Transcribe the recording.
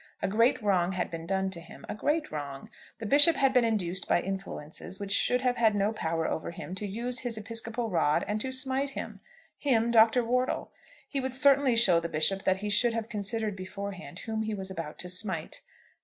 A great wrong had been done him; a great wrong! The Bishop had been induced by influences which should have had no power over him to use his episcopal rod and to smite him, him Dr. Wortle! He would certainly show the Bishop that he should have considered beforehand whom he was about to smite.